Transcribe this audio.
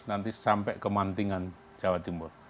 nanti sampai ke mantingan jawa timur